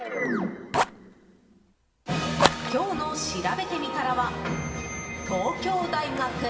今日のしらべてみたらは東京大学。